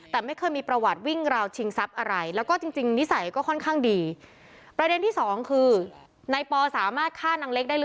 แต่ไม่เคยมีประวัติวิ่งราวชิงทรัพย์อะไร